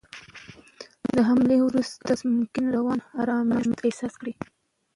د حملې وروسته کس ممکن رواني آرامښت احساس کړي.